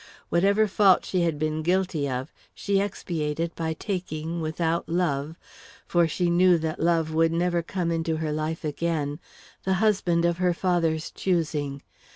Whatever fault she had been guilty of, she expiated by taking, without love for she knew that love would never come into her life again the husband of her father's choosing.